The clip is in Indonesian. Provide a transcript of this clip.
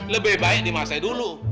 lebih baik dimasahi dulu